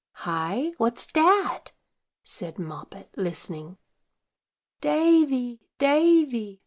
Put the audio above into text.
"Hi! what's dat?" said Moppet, listening. "Davy, Davy!"